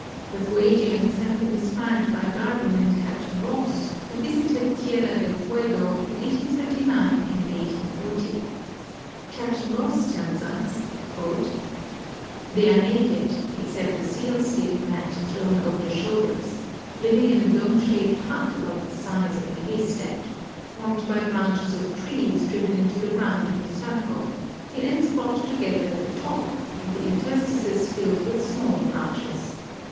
The Fuegians have been described by Darwin and Captain Ross, who visited Tierra del Fuego in 1839 and 1840. Captain Ross tells us " They are naked, except a sealskin mat thrown over the shoul ders, living in a dome shaped hut about the size of a hay stack, formed by branches of trees driven into the ground in a circle, the ends brought together at the top, and the interstices filled with smaller branches.